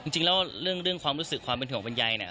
จริงแล้วเรื่องเรื่องความรู้สึกความเป็นห่วงบรรยาย